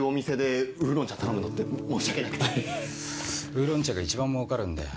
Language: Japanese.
ウーロン茶が一番もうかるんだよ。